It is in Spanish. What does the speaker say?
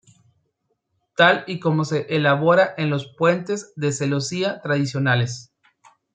Tal y como se elabora en los puentes de celosía tradicionales.